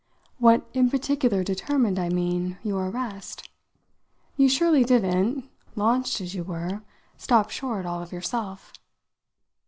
"What in particular determined, I mean, your arrest? You surely didn't launched as you were stop short all of yourself."